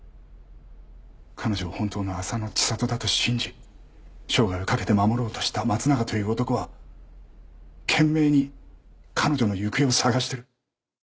彼女を本当の浅野知里だと信じ生涯をかけて守ろうとした松永という男は懸命に彼女の行方を捜してる。